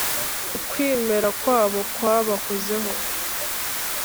ukwimera kwabo kwabakozeho